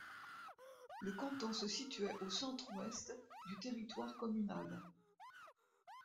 Le canton se situait au centre-ouest du territoire communal.